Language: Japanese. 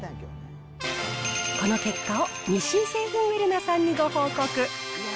この結果を日清製粉ウェルナさんにご報告。